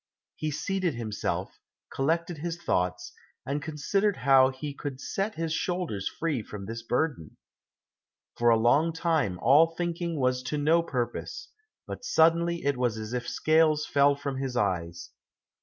He seated himself, collected his thoughts, and considered how he could set his shoulders free from this burden. For a long time all thinking was to no purpose, but suddenly it was as if scales fell from his eyes.